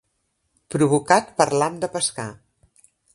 Provocat per l'ham de pescar.